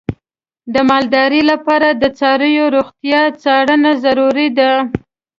د مالدارۍ لپاره د څارویو روغتیا څارنه ضروري ده.